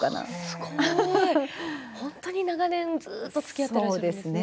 すごい本当に長年ずっとつきあってらっしゃるんですね。